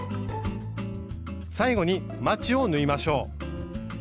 最後にまちを縫いましょう。